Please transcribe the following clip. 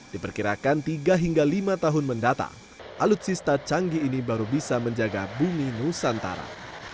diperkirakan tiga hingga lima tahun mendatang alutsista canggih ini baru bisa menjaga bumi nusantara